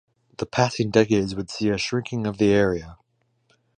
The passing decades would see a shrinking of the area.